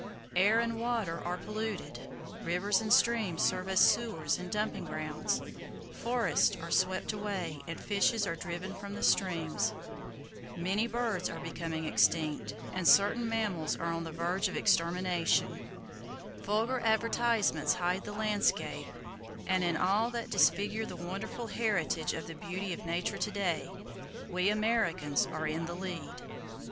Air and water are polluted, rivers and streams serve as sewers and dumping grounds, forests are swept away and fishes are driven from the streams. Many birds are becoming extinct, and certain mammals are on the verge of [Page viii] extermination. Vulgar advertisements hide the landscape, and in all that disfigures the wonderful heritage of the beauty of Nature to day, we Americans are in the lead.